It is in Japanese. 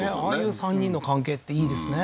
いう３人の関係っていいですね